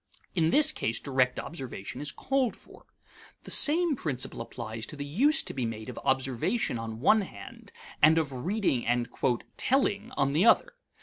In this case direct observation is called for. The same principle applies to the use to be made of observation on one hand and of reading and "telling" on the other.